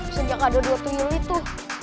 sejak ada dua tuyul itu